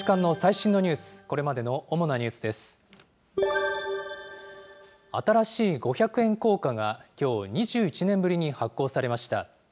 新しい五百円硬貨が、きょう２１年ぶりに発行されました。